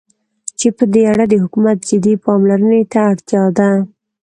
چې په دې اړه د حكومت جدي پاملرنې ته اړتيا ده.